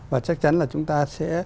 và chắc chắn là chúng ta sẽ